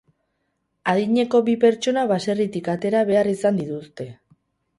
Adineko bi pertsona baserritik atera behar izan dituzte.